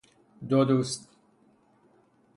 دو دوست